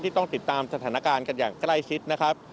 ต้องติดตามสถานการณ์กันอย่างใกล้ชิดนะครับ